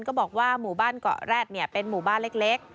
ก็บอกว่าหมู่บ้านเกาะแร็ดเนี่ยเป็นหมู่บ้านเล็ก